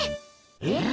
えっ？